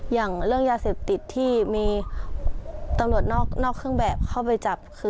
อย่างเรื่องยาเสพติดที่มีตำรวจนอกเครื่องแบบเข้าไปจับ